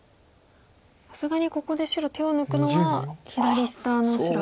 さすがにここで白手を抜くのは左下の白危ないですか。